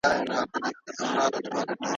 اختلاف د حل لارې پیدا کوي.